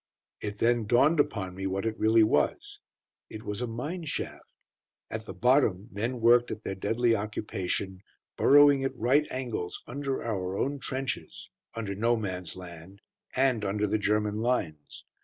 It then dawned upon me what it really was. It was a mine shaft. At the bottom, men worked at their deadly occupation, burrowing at right angles under our own trenches (under "No Man's Land") and under the German lines.